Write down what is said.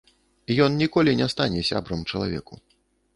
Ён ніколі не стане сябрам чалавеку.